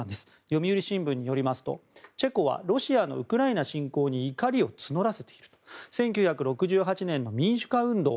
読売新聞によりますとチェコはロシアのウクライナ侵攻に怒りを募らせている１９６８年の民主化運動